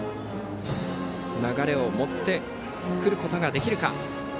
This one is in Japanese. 流れを持ってくることができるか。